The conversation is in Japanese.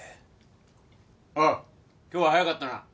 おう今日は早かったな。